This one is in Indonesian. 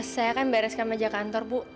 saya kan bereskan meja kantor bu